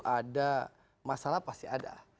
ada masalah pasti ada